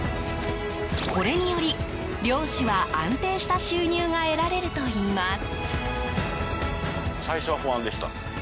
これにより漁師は安定した収入が得られるといいます。